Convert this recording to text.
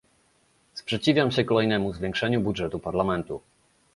Sprzeciwiam się kolejnemu zwiększeniu budżetu Parlamentu